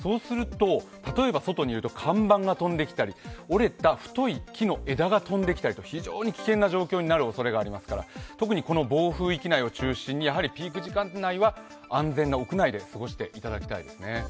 例えば外にいると看板が飛んできたり、折れた太い木の枝が飛んできたりと非常に危険な状況になるおそれがありあすから特に暴風域内を中心にピーク時間内は安全な屋内で過ごしていただきたいですね。